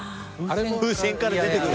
風船から出てくる。